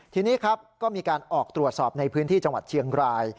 ทีนี้ครับก็มีการออกตรวจสอบในพื้นที่จังหวัดเชียงราย